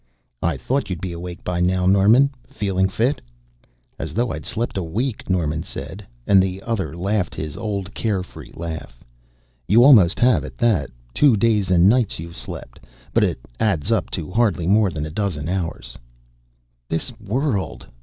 "I thought you'd be awake by now, Norman. Feeling fit?" "As though I'd slept a week," Norman said, and the other laughed his old care free laugh. "You almost have, at that. Two days and nights you've slept, but it all adds up to hardly more than a dozen hours." "This world!"